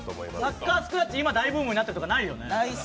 サッカースクラッチ、今大ブームになっているとかないよね。